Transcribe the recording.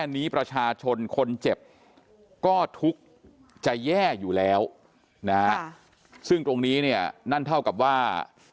สถวิทยุมีประชาชนคนเจ็บก็ทุกข์จะแย่อยู่แล้วสิ่งตรงนี้นั่นเท่ากับว่า